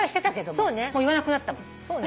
もう言わなくなったもん。